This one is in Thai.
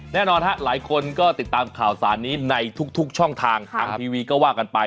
แน่นอนฮะหลายคนก็ติดตามข่าวสารนี้ในทุกช่องทางทางทีวีก็ว่ากันไป